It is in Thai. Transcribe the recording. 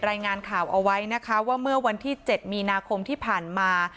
รายงานข่าวเอาไว้นะคะว่าเมื่อวันที่๗มีนาคมที่ผ่านมา